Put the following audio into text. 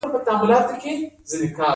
د ارچې ځنګلونه په بادغیس کې دي؟